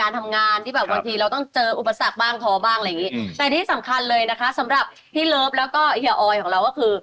รสชาติของอาหารคุณภาพของอาหาร